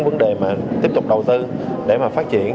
vấn đề mà tiếp tục đầu tư để mà phát triển